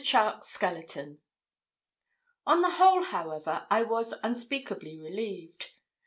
CHARKE'S SKELETON_ On the whole, however, I was unspeakably relieved.